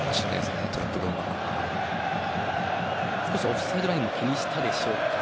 少しオフサイドラインを気にしたでしょうか。